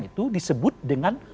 itu disebut dengan